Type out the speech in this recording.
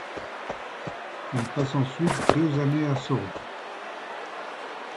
Il passe ensuite deux années à Sori.